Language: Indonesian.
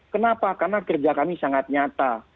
kenapa karena kerja kami sangat nyata